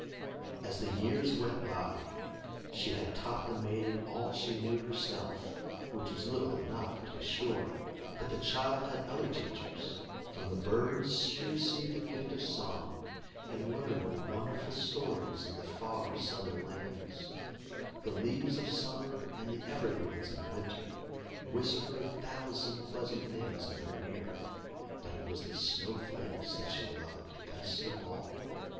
As the years went by, she had taught the maiden all she knew herself, which was little enough, to be sure; but the child had other teachers. From the birds she received the gift of song, and learned the wonderful stories of the far southern lands. The leaves of summer, and the evergreens of winter, whispered a thousand pleasant things in her ear, but it was the snow flakes that she loved best of all.